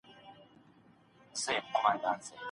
هغه ډوډۍ او پاڼه چي دلته ده، د ږغ په اورېدو سره راوړل کیږي.